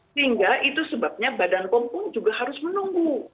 sehingga itu sebabnya badan kompon juga harus menunggu